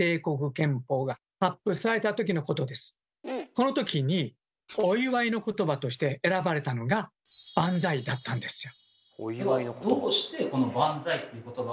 このときにお祝いのことばとして選ばれたのが「バンザイ」だったんですよ。